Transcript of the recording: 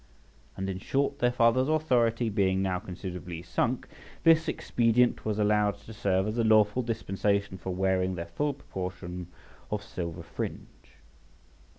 And in short, their father's authority being now considerably sunk, this expedient was allowed to serve as a lawful dispensation for wearing their full proportion of silver fringe.